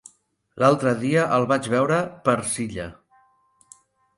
L'altre dia el vaig veure per Silla.